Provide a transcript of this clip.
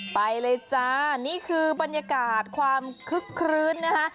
ไปเลยจ้านี่คือบรรยากาศความคึกคลื้นนะคะ